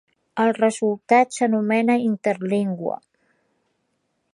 El resultat s'anomena interlingua.